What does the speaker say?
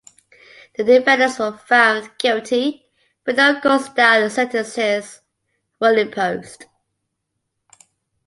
The defendants were found guilty, but no custodial sentences were imposed.